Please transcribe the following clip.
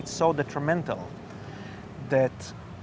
ini sangat menyebabkan